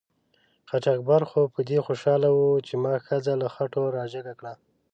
قاچاقبر خو په دې خوشحاله و چې ما ښځه له خټو را جګه کړه.